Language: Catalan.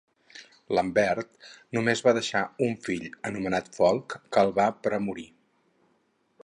Lambert només va deixar un fill, anomenat Folc, que el va premorir.